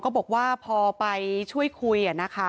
ก็บอกว่าพอไปช่วยคุย